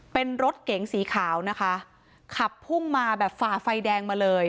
เป็นรถเก๋งสีขาวนะคะขับพุ่งมาแบบฝ่าไฟแดงมาเลย